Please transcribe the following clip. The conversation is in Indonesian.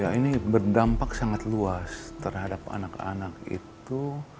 ya ini berdampak sangat luas terhadap anak anak itu